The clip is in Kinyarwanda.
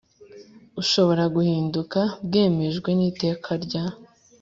ushobora guhinduka byemejwe n Iteka rya